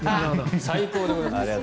最高でございます。